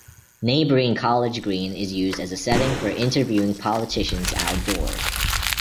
Neighbouring College Green is used as a setting for interviewing politicians outdoors.